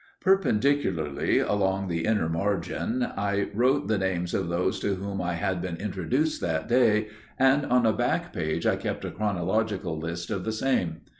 Perpendicularly, along the inner margin, I wrote the names of those to whom I had been introduced that day, and on a back page I kept a chronological list of the same.